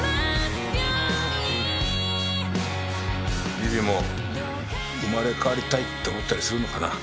ビビも生まれ変わりたいって思ったりするのかな？